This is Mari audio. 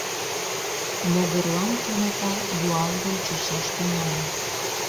Могырлан кенета юалгын чучаш тӱҥале.